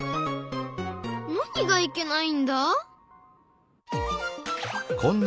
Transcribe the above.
何がいけないんだ？